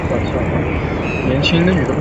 原依附泰赤乌部。